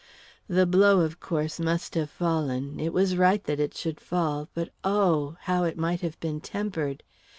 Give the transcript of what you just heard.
The blow, of course, must have fallen it was right that it should fall but oh! how it might have been tempered.